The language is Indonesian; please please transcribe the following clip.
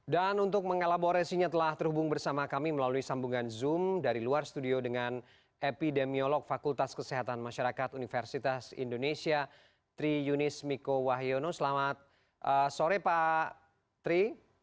dan untuk mengelaboresinya telah terhubung bersama kami melalui sambungan zoom dari luar studio dengan epidemiolog fakultas kesehatan masyarakat universitas indonesia tri yunis miko wahyono selamat sore pak tri